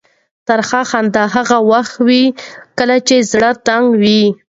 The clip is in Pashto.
ترخه خندا هغه وخت وي کله چې زړه تنګ وي.